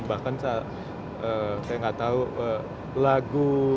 bahkan saya nggak tahu lagu